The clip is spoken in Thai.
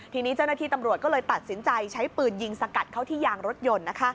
ทีนี้เจ้าหน้าที่ตำรวจก็เลยตัดสินใจใช้ปืนยิงสกัดเข้าที่ยางรถยนต์